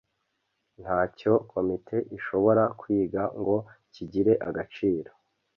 Ntacyo Komite ishobora kwiga ngo kigire agaciro